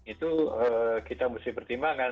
itu kita mesti pertimbangkan